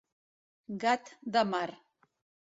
Gat de mar.